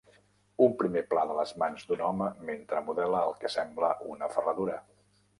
Un primer pla de les mans d'un home mentre modela el que sembla una ferradura.